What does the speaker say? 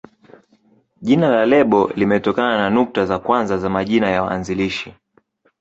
Jina la lebo limetokana na nukta za kwanza za majina ya waanzilishi.